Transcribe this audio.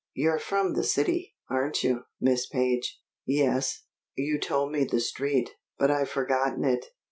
"You're from the city, aren't you, Miss Page?" "Yes." "You told me the street, but I've forgotten it."